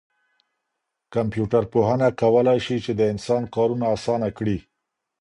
کمپيوټر پوهنه کولای شي چي د انسان کارونه اسانه کړي.